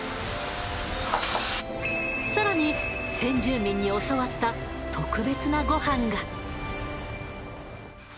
更に先住民に教わった特別なゴハンが。